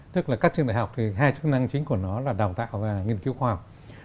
tức là các trường đại học thì hai chức năng chính của nó là đào tạo và nghiên cứu khoa học